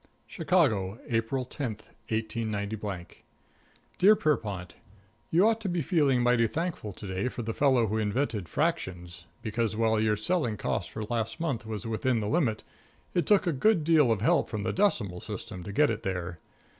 |++ XI CHICAGO, April 10, 189 Dear Pierrepont: You ought to be feeling mighty thankful to day to the fellow who invented fractions, because while your selling cost for last month was within the limit, it took a good deal of help from the decimal system to get it there.